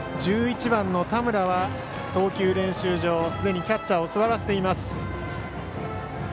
１１番の田村は投球練習場すでにキャッチャーを座らせています。